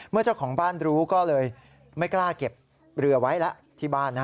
เจ้าของบ้านรู้ก็เลยไม่กล้าเก็บเรือไว้แล้วที่บ้าน